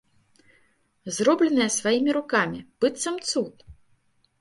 Зробленае сваімі рукамі, быццам цуд!